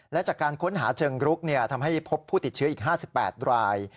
และจากการค้นหาเชิงรุกทำให้พบผู้ติดเชื้ออีก๕๘ราย